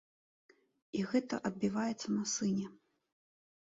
І гэта адбіваецца на сыне.